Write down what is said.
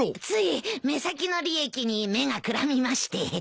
つい目先の利益に目がくらみまして。